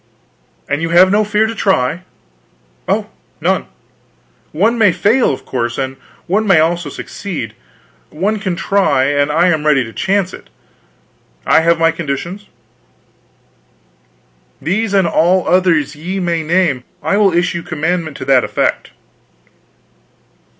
"And you have no fear to try?" "Oh, none. One may fail, of course; and one may also succeed. One can try, and I am ready to chance it. I have my conditions?" "These and all others ye may name. I will issue commandment to that effect."